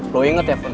lo inget ya fon